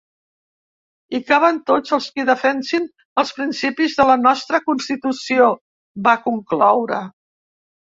Hi caben tots els qui defensin els principis de la nostra constitució, va concloure.